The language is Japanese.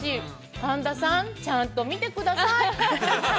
神田さん、ちゃんと見てください。